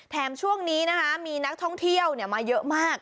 แถมช่วงนี้มีนักท่องเที่ยวมาเยอะมาก